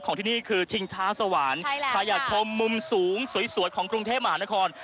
ใครอยากชมมุมสูงสวยสวยของกรุงเทพอาหารนคร